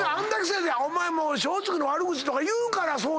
お前松竹の悪口とか言うからそうなんねん。